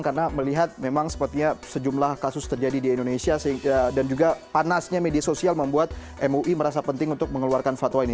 karena melihat memang sepertinya sejumlah kasus terjadi di indonesia dan juga panasnya media sosial membuat mui merasa penting untuk mengeluarkan fatwa ini